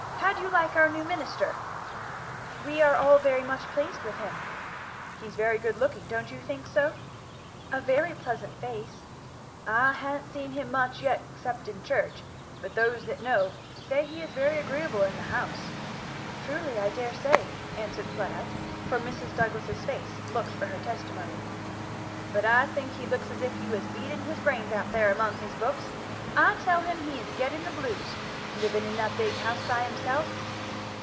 How do you like our new minister?" "We are all very much pleased with him." "He's very good looking, don't you think so?" "A very pleasant face." "I ha'n't seen him much yet except in church; but those that know say he is very agreeable in the house." "Truly, I dare say," answered Fleda, for Mrs. Douglass's face looked for her testimony. "But I think he looks as if he was beating his brains out there among his books I tell him he is getting the blues, living in that big house by himself."